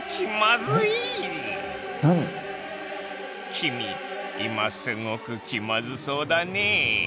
君今すごく気まずそうだね？